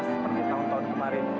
seperti tahun tahun kemarin